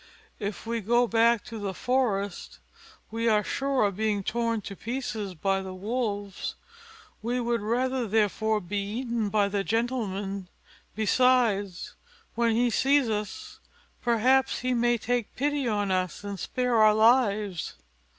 If we go back to the forest, we are sure of being torn to pieces by the wolves; we would rather, therefore, be eaten by the gentleman: besides, when he sees us, perhaps he may take pity on us and spare our lives."